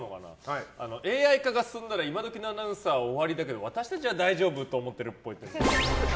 ＡＩ化が進んだら今どきのアナウンサーは終わりだけど、私たちは大丈夫って思ってるっポイ。